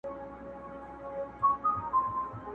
په دريو مياشتو كي به لاس درنه اره كړي!!